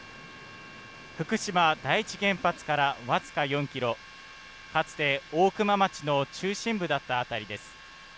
福島第一原発から僅か４キロ、かつて大熊町の中心部だった辺りです。